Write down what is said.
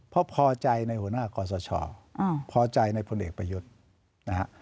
เพราะพอใจในหัวหน้าคอสชพอใจในพลเอกประยุทธ์นะฮะ